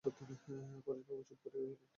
পরেশবাবু চুপ করিয়া রহিলেন।